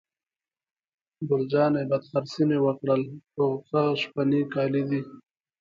ګل جانې: بد خرڅي مې وکړل، خو ښه شبني کالي دي.